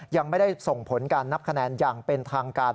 ยังไม่ได้ส่งผลการนับคะแนนอย่างเป็นทางการ